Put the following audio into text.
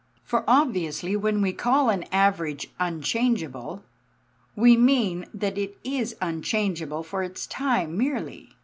For obviously when we call an average unchangeable, we mean that it is unchangeable for its time merely.